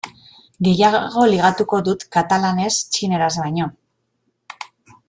Gehiago ligatuko dut katalanez txineraz baino.